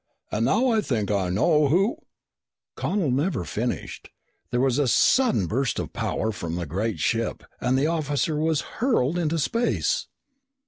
And now I think I know who " Connel never finished. There was a sudden burst of power from the great ship and the officer was hurled into space.